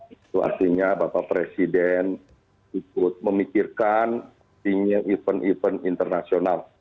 itu artinya bapak presiden ikut memikirkan event event internasional